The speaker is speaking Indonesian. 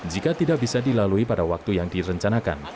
jika tidak bisa dilalui pada waktu yang direncanakan